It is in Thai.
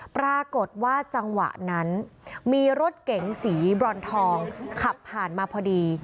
ปรากฏว่าจังหวะนั้นมีรถเก๋งสีบรอนทองขับผ่านมาพอดี